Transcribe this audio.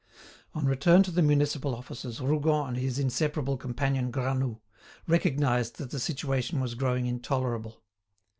On returning to the municipal offices Rougon and his inseparable companion, Granoux, recognised that the situation was growing intolerable.